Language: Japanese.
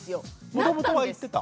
もともとは言ってた？